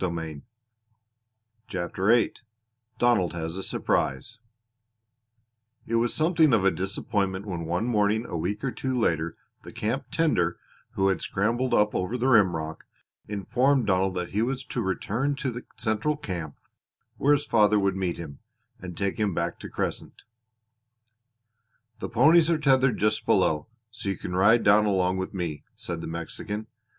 CHAPTER VIII DONALD HAS A SURPRISE It was something of a disappointment when one morning a week or two later the camp tender, who had scrambled up over the rimrock, informed Donald that he was to return to the central camp where his father would meet him, and take him back to Crescent. "The ponies are tethered just below, so you can ride down along with me," said the Mexican.